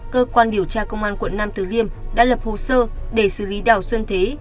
cơ quan điều tra công an quận nam từ liêm đã lập hồ sơ để xử lý đào xuân thế